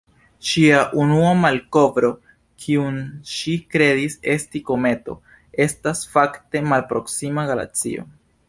Ŝia unua malkovro, kiun ŝi kredis esti kometo, estas fakte malproksima galaksio.